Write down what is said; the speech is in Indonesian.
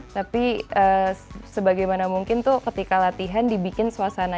tapi sebagaimana mungkin tuh ketika latihan dibikin suasana